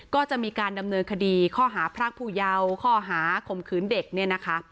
ก็จะมีการดำเนินคดีข้อหาพรากผู้เยาว์ข้อหาข่มขืนเด็กเนี่ยนะคะ